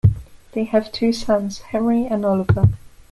They have two sons, Henry and Oliver.